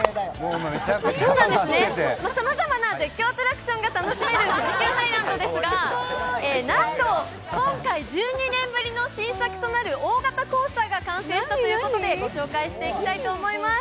さまざまな絶叫アトラクションが楽しめる富士急ハイランドですがなんと今回１２年ぶりの新作となる大型コースターが完成したということでご紹介したいと思います。